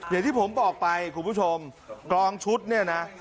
อย่างที่ผมบอกไปคุณผู้ชมกองชุดเนี่ยนะ